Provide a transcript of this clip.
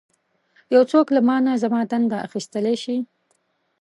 یو څوک له مانه زما دنده اخیستلی شي.